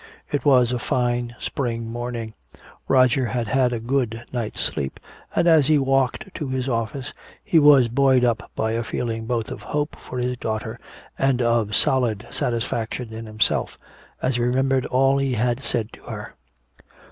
It was a fine spring morning, Roger had had a good night's sleep, and as he walked to his office he was buoyed up by a feeling both of hope for his daughter and of solid satisfaction in himself as he remembered all that he had said to her.